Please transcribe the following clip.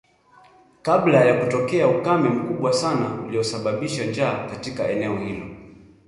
Kabla ya kutokea ukame mkubwa sana uliosababisha njaa katika eneo hilo